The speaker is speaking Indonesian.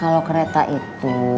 kalau kereta itu